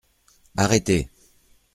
Arrêtez !